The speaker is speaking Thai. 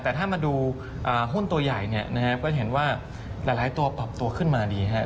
แต่ถ้ามาดูหุ้นตัวใหญ่เนี่ยนะครับก็จะเห็นว่าหลายตัวปรับตัวขึ้นมาดีครับ